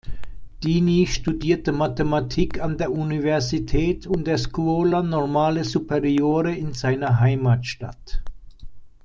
Dini studierte Mathematik an der Universität und der Scuola Normale Superiore in seiner Heimatstadt.